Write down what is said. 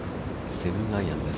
７番アイアンです。